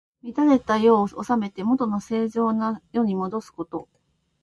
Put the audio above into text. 乱れた世を治めて、もとの正常な世にもどすこと。